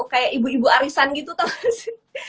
kayak ibu ibu arisan gitu tau gak sih